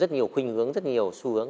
rất nhiều khuyên hướng rất nhiều xu hướng